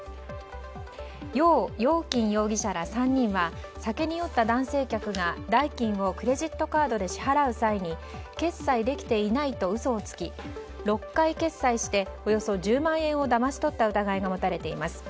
ヨウ・ヨウキン容疑者ら３人は酒に酔った男性客が代金をクレジットカードで支払う際に決済できていないと嘘をつき６回決済しておよそ１０万円をだまし取った疑いが持たれています。